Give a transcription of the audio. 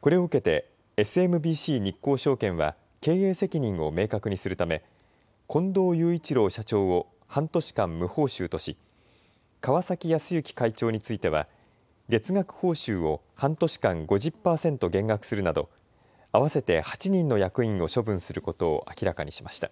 これを受けてＳＭＢＣ日興証券は経営責任を明確にするため近藤雄一郎社長を半年間、無報酬とし川嵜靖之会長については月額報酬を半年間５０％減額するなど合わせて８人の役員を処分することを明らかにしました。